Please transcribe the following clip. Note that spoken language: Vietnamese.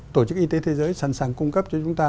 tổ chức y tế thế giới sẵn sàng cung cấp cho chúng ta